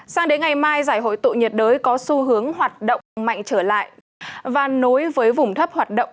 sang đến ngày mai giải hội tụ nhiệt đới có xu hướng hoạt động mạnh trở lại và nối với vùng thấp hoạt động